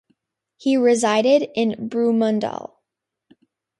He resided in Brumunddal.